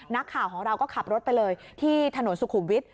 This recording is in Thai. นักข่าวของเราก็ขับรถไปเลยที่ถนนสุขุมวิทย